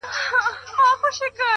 د پخلي لوګی د کور د شتون نښه وي؛